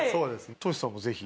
トシさんもぜひ。